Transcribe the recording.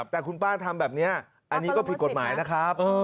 แต่คุณป้าทำแบบนี้อันนี้ก็ผิดกฎหมายนะครับ